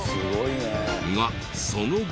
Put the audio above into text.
がその後。